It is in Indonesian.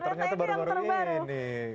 ternyata baru baru ini